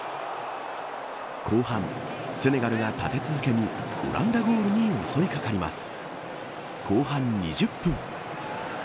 後半、セネガルが立て続けにオランダゴールに襲いかかります。